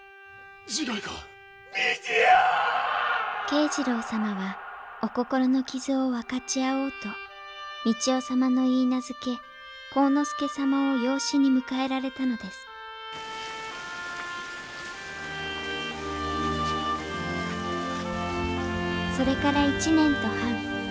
慶次郎様はお心の傷を分かち合おうと三千代様の許婚晃之助様を養子に迎えられたのですそれから１年と半。